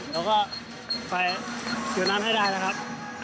เดี๋ยวก็ไปอยู่นั้นให้ได้นะครับ